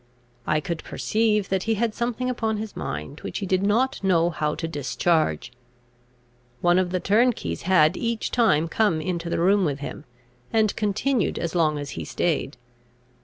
I could perceive that he had something upon his mind, which he did not know how to discharge. One of the turnkeys had each time come into the room with him, and continued as long as he staid.